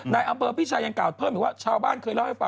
นายอำเภอพี่ชายยังกล่าวเพิ่มอีกว่าชาวบ้านเคยเล่าให้ฟัง